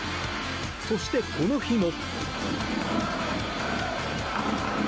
そして、この日も。